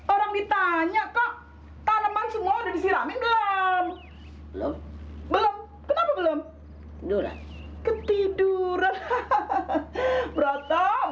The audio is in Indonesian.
orang ditanya kok tanaman semua udah disiramin belum belum belum